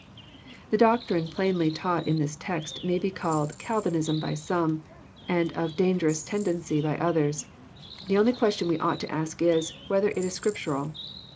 The doctrine plainly taught in this text may be called " Cal vinism " by some, and of " dangerous tendency " by others. The only question we ought to ask U, whether it is scriptural.